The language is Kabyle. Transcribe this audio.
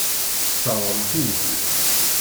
Tesseṛɣemt-iyi-tt.